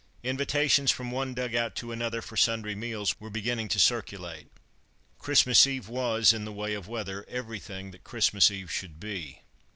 Invitations from one dug out to another for sundry meals were beginning to circulate. Christmas Eve was, in the way of weather, everything that Christmas Eve should be.